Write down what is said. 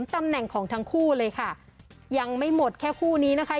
ตำแหน่งของทั้งคู่เลยค่ะยังไม่หมดแค่คู่นี้นะคะ